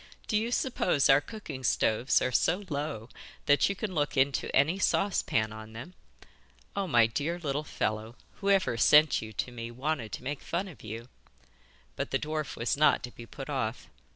Do you suppose our cooking stoves are so low that you can look into any saucepan on them? Oh, my dear little fellow, whoever sent you to me wanted to make fun of you.' But the dwarf was not to be put off.